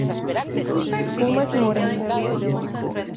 Pumas Morelos.